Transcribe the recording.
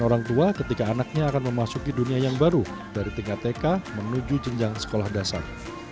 orang tua ketika anaknya akan memasuki dunia yang baru dari tingkat tk menuju jenjang sekolah dasar